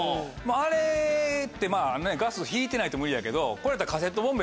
あれってガス引いてないと無理やけどこれやったら。